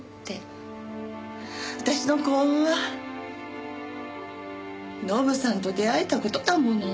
私の幸運はノブさんと出会えた事だもの。